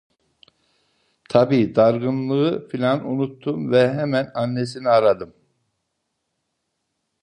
Tabii dargınlığı filan unuttum ve hemen annesini aradım.